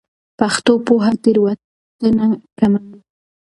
پښتو پوهه تېروتنه کموي.